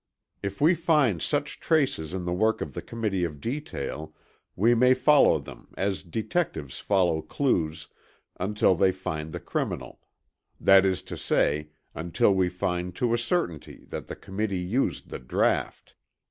If we find such traces in the work of the Committee of Detail we may follow them as detectives follow clues until they find the criminal; that is to say until we find to a certainty that the Committee used the draught.